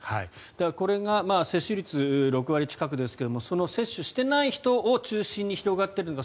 これが接種率、６割近くですがその接種していない人を中心に広がっているのか